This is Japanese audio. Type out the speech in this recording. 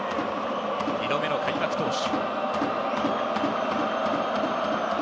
２度目の開幕投手。